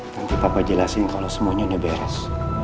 nanti papa jelasin kalau semuanya udah beres